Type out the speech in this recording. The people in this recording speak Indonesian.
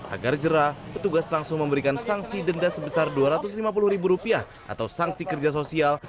agar jerah petugas langsung memberikan sanksi denda sebesar dua ratus lima puluh ribu rupiah atau sanksi kerja sosial